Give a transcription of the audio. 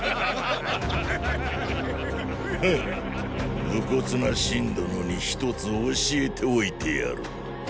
フッ無骨な信殿に一つ教えておいてやろう。